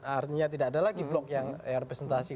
artinya tidak ada lagi blok yang representasi